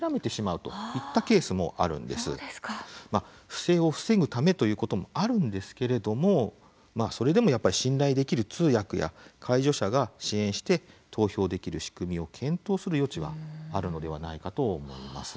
不正を防ぐためということもあるんですけれどもそれでもやっぱり信頼できる通訳や介助者が支援して投票できる仕組みを検討する余地はあるのではないかと思います。